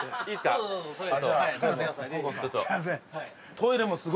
いいトイレ。